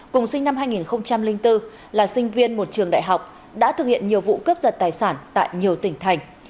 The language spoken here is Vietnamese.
cùng sinh năm hai nghìn bốn là sinh viên một trường đại học đã thực hiện nhiều vụ cướp giật tài sản tại nhiều tỉnh thành